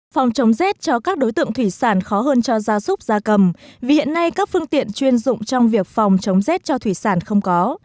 phòng chống rét cho các đối tượng thủy sản khó hơn cho gia súc gia cầm vì hiện nay các phương tiện chuyên dụng trong việc phòng chống rét cho thủy sản không có